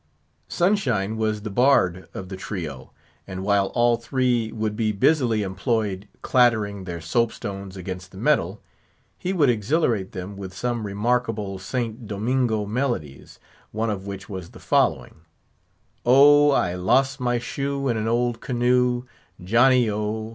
Sunshine was the bard of the trio; and while all three would be busily employed clattering their soap stones against the metal, he would exhilarate them with some remarkable St. Domingo melodies; one of which was the following: "Oh! I los' my shoe in an old canoe, Johnio!